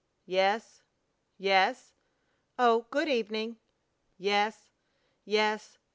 Yes!... Yes!... Oh! Good evening!... Yes.... Yes....